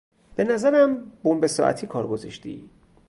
بنظرم بمب ساعتی کار گذاشتی!